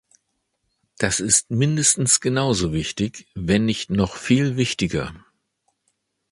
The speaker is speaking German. Das ist mindestens genauso wichtig, wenn nicht noch viel wichtiger.